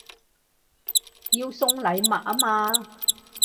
要送禮物吖嘛